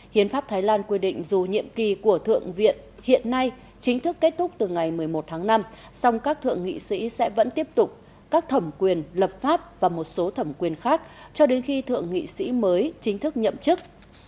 hiến pháp thái lan quy định dù nhiệm kỳ của thượng viện hiện nay chính thức kết thúc từ ngày một mươi một tháng năm song các thượng nghị sĩ sẽ vẫn tiếp tục các thẩm quyền lập pháp và một số thẩm quyền khác cho đến khi thượng nghị sĩ mới chính thức nhậm chức